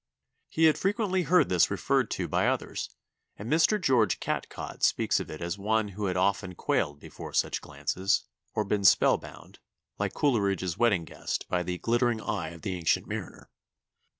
He had frequently heard this referred to by others; and Mr. George Catcott speaks of it as one who had often quailed before such glances, or been spell bound, like Coleridge's wedding guest by the 'glittering eye' of the Ancient Mariner.